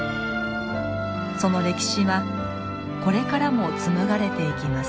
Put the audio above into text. その歴史はこれからも紡がれていきます。